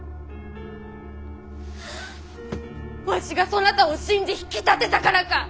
わしがそなたを信じ引き立てたからか！？